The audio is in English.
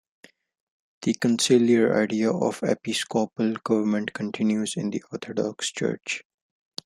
The conciliar idea of episcopal government continues in the Orthodox Church.